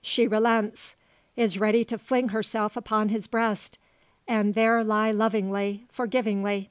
She relents; is ready to fling herself upon his breast, and there lie lovingly, forgivingly.